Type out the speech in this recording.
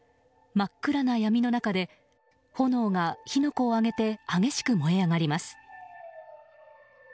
真っ暗な闇の中で炎が火の粉を上げて激しく燃え上がります。